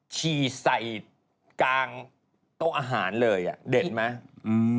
ฉี่ใส่กลางโต๊ะอาหารเลยอ่ะเด่นไหมอืม